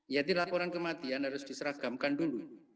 jadi laporan kematian harus diseragamkan dulu